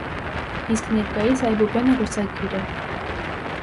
Իսկ ներկայիս այբուբենը ռուսագիր է։